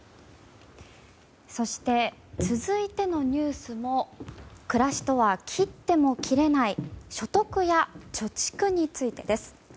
そして続いてのニュースも暮らしとは切っても切れない所得や貯蓄についてです。